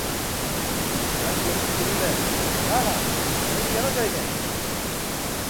রাজলক্ষ্মী কহিলেন, না না, মহিন কেন যাইবেন।